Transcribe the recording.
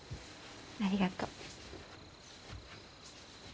ありがとう。